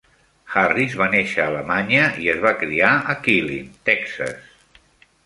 Harris va néixer a Alemanya i es va criar a Killeen, Texas.